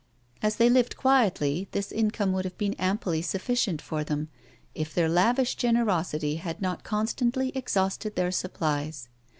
As they lived quietly, this income would have been amply sufficient for them, if their lavish generosity had not constantly exhausted their supplies.